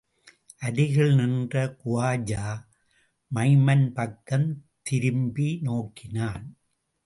அருகில் நின்ற குவஜா மைமன் பக்கம் திரும்பி நோக்கினான்.